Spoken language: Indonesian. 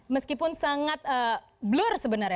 meskipun sangat blur sebenarnya